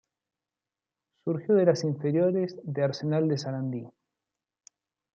Surgió de las inferiores de Arsenal de Sarandí.